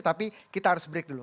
tapi kita harus break dulu